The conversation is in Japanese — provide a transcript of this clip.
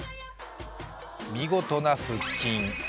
見事な腹筋。